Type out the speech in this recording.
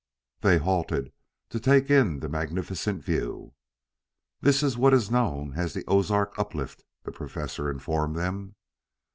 They halted to take in the magnificent view. "This is what is known as the 'Ozark Uplift,'" the Professor informed them.